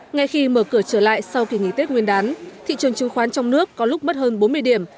ngay khi mở cửa trở lại sau kỳ nghỉ tết nguyên đán thị trường chứng khoán trong nước có lúc mất hơn bốn mươi điểm